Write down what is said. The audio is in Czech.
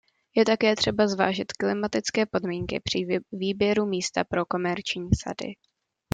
Je také třeba zvážit klimatické podmínky při výběru místa pro komerční sady.